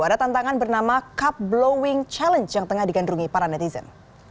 ada tantangan bernama cup blowing challenge yang tengah digandrungi para netizen